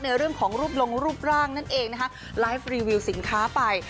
ในเรื่องของรูปลงรูปร่างนั่นเองนะคะไลฟ์รีวิวสินค้าไป